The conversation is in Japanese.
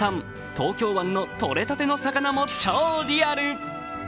東京湾のとれたての魚も超リアル！